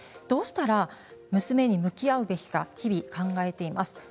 どうしたら娘に向き合うべきか日々考えています。